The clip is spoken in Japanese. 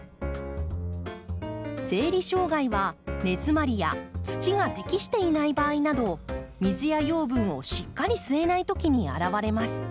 生理障害は根づまりや土が適していない場合など水や養分をしっかり吸えないときに現れます。